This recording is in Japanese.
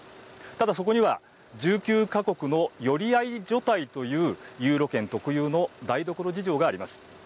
ただ、そこには１９か国の寄り合い所帯というユーロ圏特有の台所事情があります。